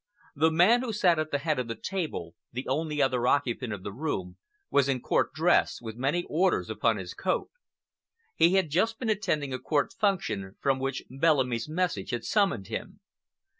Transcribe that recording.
The man who sat at the head of the table—the only other occupant of the room—was in Court dress, with many orders upon his coat. He had just been attending a Court function, from which Bellamy's message had summoned him.